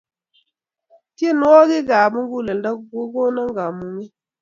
tienwokik ap mukuleldo kokona kamunget